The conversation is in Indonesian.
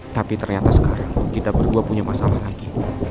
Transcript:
tapi ternyata sekarang kita berdua punya masalah lagi